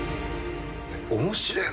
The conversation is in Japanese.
面白えな。